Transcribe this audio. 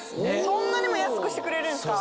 そんなにも安くしてくれるんですか？